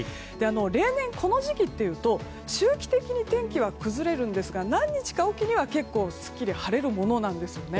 例年、この時期というと周期的に天気は崩れるんですが何日かおきには結構すっきり晴れるものなんですよね。